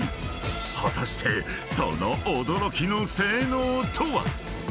［果たしてその驚きの性能とは⁉］